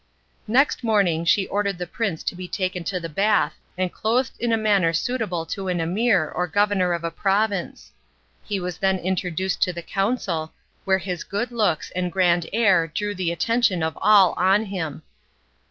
Next morning she ordered the prince to be taken to the bath and clothed in a manner suitable to an emir or governor of a province. He was then introduced to the council, where his good looks and grand air drew the attention of all on him.